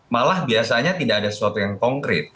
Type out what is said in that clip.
malah biasanya tidak ada sesuatu yang konkret